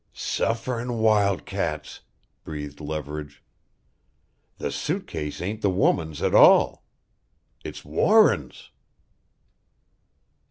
"Sufferin' wildcats!" breathed Leverage. "The suit case ain't the woman's at all! It's Warren's!"